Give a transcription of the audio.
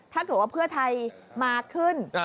ถ้าเกิดว่าเพื่อไทยมาขึ้น